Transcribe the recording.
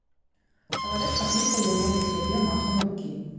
Чалавек паклікаў яго да сябе махам рукі.